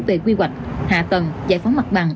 về quy hoạch hạ tầng giải phóng mặt bằng